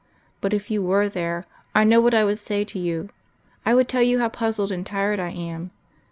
But if You were there, I know what I would say to You. I would tell You how puzzled and tired I am.